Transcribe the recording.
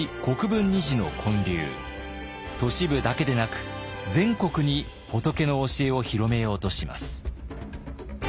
都市部だけでなく全国に仏の教えを広めようとします。